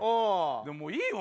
でももういいよ